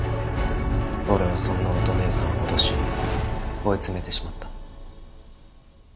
俺はそんな乙姉さんを脅し追い詰めてしまった。